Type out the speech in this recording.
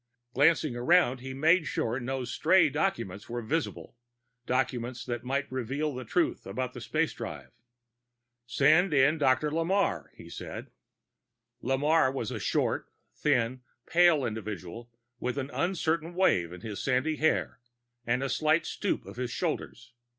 Glancing around, he made sure no stray documents were visible, documents which might reveal the truth about the space drive. "Send in Dr. Lamarre," he said. Dr. Lamarre was a short, thin, pale individual, with an uncertain wave in his sandy hair and a slight stoop of his shoulders.